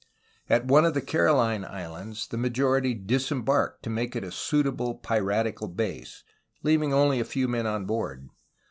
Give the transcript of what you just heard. At one of the Caroline Islands the majority disembarked to make it a suitable piratical base, leaving only a few men on board.